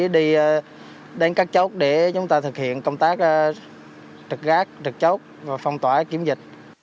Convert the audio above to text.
đi đến các chốt để chúng ta thực hiện công tác trực gác trực chốt và phong tỏa kiểm dịch